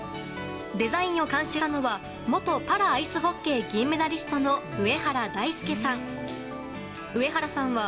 デザインを監修したのは元パラアイスホッケー銀メダリストの上原大祐さん。